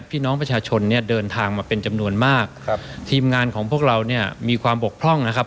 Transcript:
พี่น้องประชาชนเนี่ยเดินทางมาเป็นจำนวนมากครับทีมงานของพวกเราเนี่ยมีความบกพร่องนะครับ